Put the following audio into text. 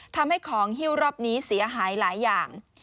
ทำให้ของฮิ้วรอบนี้เสียหายหลายอย่าง